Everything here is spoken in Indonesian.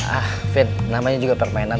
ah fin namanya juga permainan